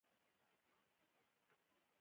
د ایلان ماسک راکټونه هم ډېر پرمختللې دې